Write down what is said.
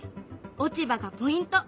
落ち葉がポイント！